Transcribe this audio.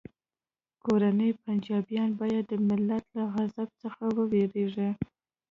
کورني پنجابیان باید د ملت له غضب څخه وویریږي